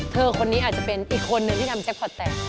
คนนี้อาจจะเป็นอีกคนนึงที่ทำแจ็คพอร์ตแตก